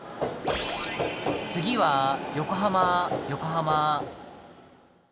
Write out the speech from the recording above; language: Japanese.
次は横浜、横浜。